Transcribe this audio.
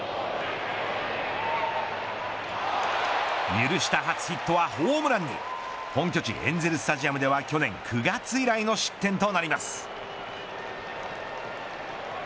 許した初ヒットはホームランに本拠地エンゼルスタジアムでは去年９月以来の失点となります。